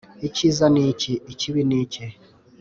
icyiza ni iki? ikibi ni iki?